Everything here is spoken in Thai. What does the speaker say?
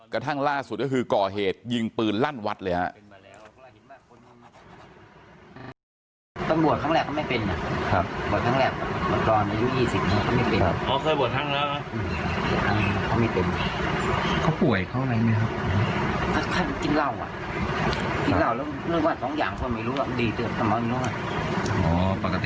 กระทั่งล่าสุดก็คือก่อเหตุยิงปืนลั่นวัดเลยฮะ